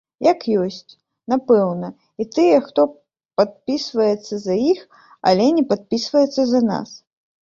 Як ёсць, напэўна, і тыя, хто падпісваецца за іх, але не падпісваецца за нас.